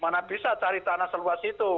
mana bisa cari tanah seluas itu